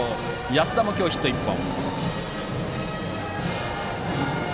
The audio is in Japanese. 安田も今日ヒット１本。